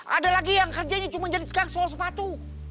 ada lagi yang kerjanya cuma jadi gangstol sepatu